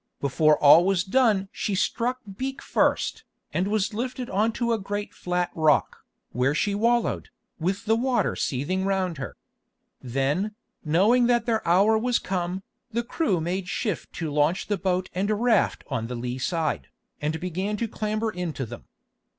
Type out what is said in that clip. Before all was done she struck beak first, and was lifted on to a great flat rock, where she wallowed, with the water seething round her. Then, knowing that their hour was come, the crew made shift to launch the boat and raft on the lee side, and began to clamber into them.